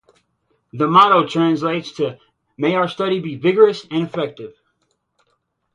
The motto translates to "May our study be vigorous and effective".